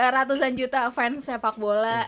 ratusan juta fans sepak bola